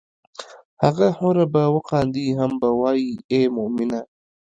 هغه حوره به وخاندي هم به وائي ای مومنه!